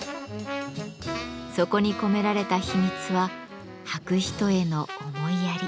そこに込められた秘密は履く人への思いやり。